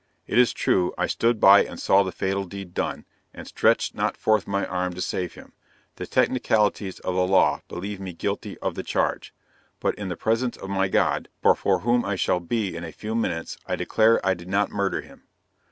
It is true, I stood by and saw the fatal deed done, and stretched not forth my arm to save him; the technicalities of the law believe me guilty of the charge but in the presence of my God before whom I shall be in a few minutes I declare I did not murder him.